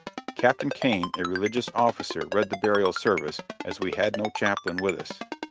Captain Kane, a religious officer, read the burial service, as we had no chaplain with us.